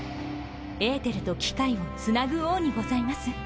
エーテルと機械をつなぐ王にございます。